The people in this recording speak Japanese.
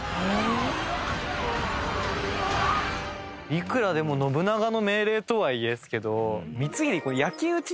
いくらでも信長の命令とはいえですけど。